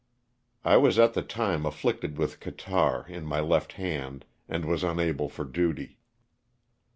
I was at the time afflicted with catarrh in my left hand and was unable for duty.